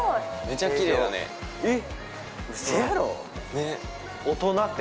めちゃきれいだねえっ？